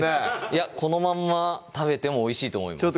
いやこのまんま食べてもおいしいと思います